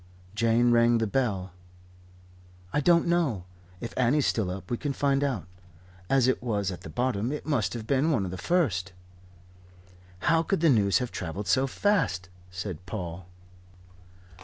Jane rang the bell. "I don't know. If Annie's still up, we can find out. As it was at the bottom, it must have been one of the first." "How could the news have travelled so fast?" said Paul.